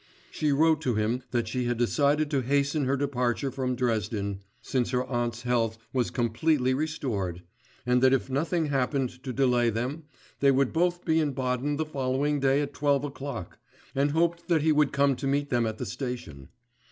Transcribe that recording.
She wrote to him that she had decided to hasten her departure from Dresden, since her aunt's health was completely restored, and that if nothing happened to delay them, they would both be in Baden the following day at twelve o'clock, and hoped that he would come to meet them at the station.